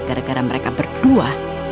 gara gara mereka berdua